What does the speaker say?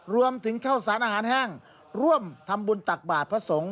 รวมถึงข้าวสารอาหารแห้งร่วมทำบุญตักบาทพระสงฆ์